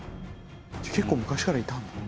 結構昔からいたんだ。